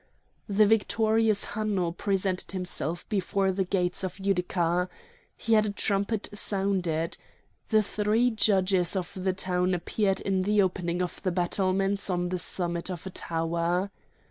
The victorious Hanno presented himself before the gates of Utica. He had a trumpet sounded. The three Judges of the town appeared in the opening of the battlements on the summit of a tower.